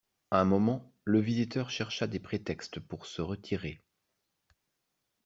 Un moment, le visiteur chercha des prétextes pour se retirer.